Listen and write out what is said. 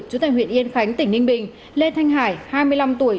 chú tại huyện yên khánh tỉnh ninh bình lê thanh hải hai mươi năm tuổi